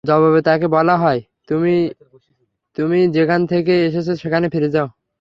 জবাবে তাকে বলা হবে, তুমি যেখান থেকে এসেছ সেখানে ফিরে যাও।